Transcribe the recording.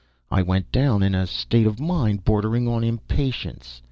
I went down in a state of mind bordering on impatience.